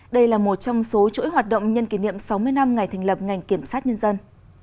đây là một trong số chuỗi hoạt động nhân kỷ niệm sáu mươi năm ngày thành lập ngành kiểm sát nhân dân